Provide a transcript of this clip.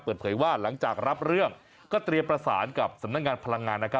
เปิดเผยว่าหลังจากรับเรื่องก็เตรียมประสานกับสำนักงานพลังงาน